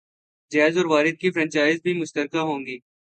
jazz اور وارد کی franchise بھی مشترکہ ہوں گی